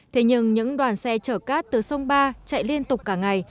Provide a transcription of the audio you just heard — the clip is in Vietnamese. thế nhưng những đoàn xe chở cát từ sông ba chạy liên tục cả ngày